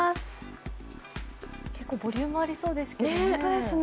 結構ボリュームありそうですけどね。